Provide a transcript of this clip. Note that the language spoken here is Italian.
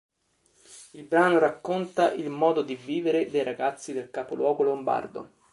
Il brano racconta il modo di vivere dei ragazzi del capoluogo lombardo.